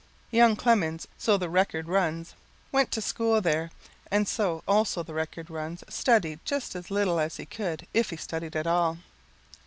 Young Clemens, so the record runs, went to school there and so also the record runs studied just as little as he could if he studied at all.